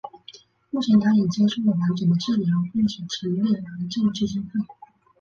目前她已接受了完整的治疗并且成立癌症基金会。